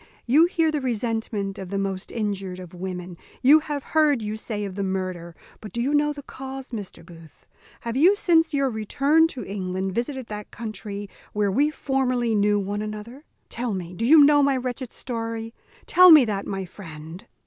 "You hear the resentment of the most injured of women. You have heard, you say, of the murder; but do you know the cause, Mr. Booth? Have you since your return to England visited that country where we formerly knew one another? tell me, do you know my wretched story? tell me that, my friend."